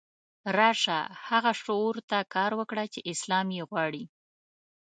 راشه هغه شعور ته کار وکړه چې اسلام یې غواړي.